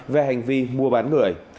về hành vi mua bán gửi